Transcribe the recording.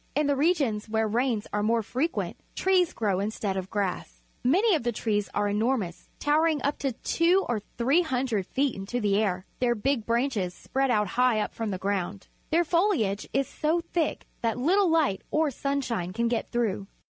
In the regions where rains are more frequent, trees grow instead of grass. Alany of the trees are enormous, towering up two or three hundred feet into the air. Their big branches spread out high up from the ground. Their foliage is so thick that little light or sunshine can get through.